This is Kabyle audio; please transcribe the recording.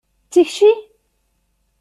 D tikci?